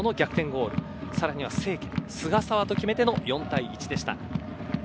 ゴールさらには清家、菅澤と決めての４対１でした。